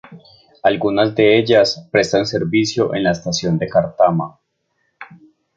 Algunas de ellas prestan servicio en la Estación de Cártama.